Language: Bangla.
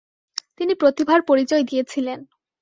তিনি প্রতিভার পরিচয় দিয়েছিলেন ।